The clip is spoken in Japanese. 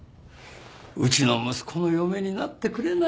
うちの息子の嫁になってくれないかね。